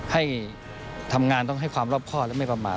ให้ทำงานต้องให้ความรอบครอบและไม่ประมาท